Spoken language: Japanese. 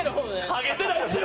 ハゲてないんですよ！